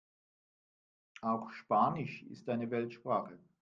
Auch Spanisch ist eine Weltsprache.